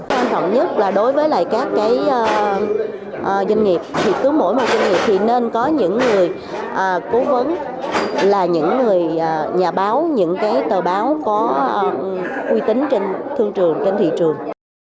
quan trọng nhất là đối với lại các cái doanh nghiệp thì cứ mỗi một doanh nghiệp thì nên có những người cố vấn là những người nhà báo những cái tờ báo có uy tín trên thương trường trên thị trường